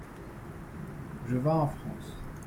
Je vins en France.